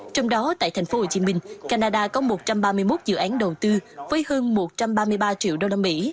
trong đó tại thành phố hồ chí minh canada có một trăm ba mươi một dự án đầu tư với hơn một trăm ba mươi ba triệu đô la mỹ